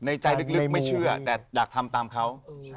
ใจลึกไม่เชื่อแต่อยากทำตามเขา